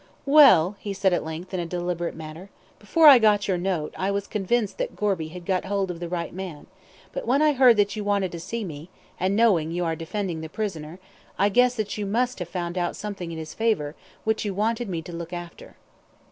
"Well," he said at length, in a deliberate manner, "before I got your note, I was convinced Gorby had got hold of the right man, but when I heard that you wanted to see me, and knowing you are defending the prisoner, I guessed that you must have found something in his favour which you wanted me to look after."